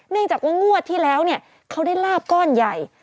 เนื่องจากว่างวดที่แล้วเขาได้ลาบก้อนใหญ่